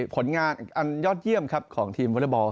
ผลงานอันยอดเยี่ยมครับของทีมวอเล็กบอล